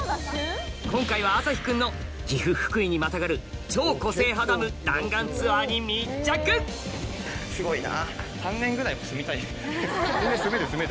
今回は旭君の岐阜福井にまたがる超個性派ダム弾丸ツアーに密着すごいな。